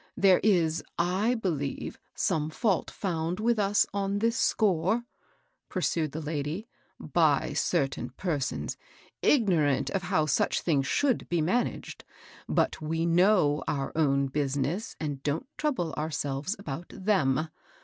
There is, I believe, some fault found with us on this score," pursued the lady, " by cer tain persons, ignorant of how such thin^ skox^ 862 MABEI. ROSS. be managed ; but we know our own business, and don't trouble ourselves about them.